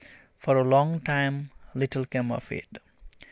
For a long time little came of it.